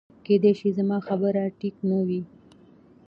کېدی شي زما خبره ټیک نه وه